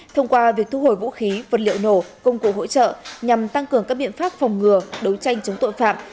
thông qua việc thu hồi vũ khí vật liệu nổ công cụ hỗ trợ nhằm tăng cường các biện pháp phòng ngừa đấu tranh chống tội phạm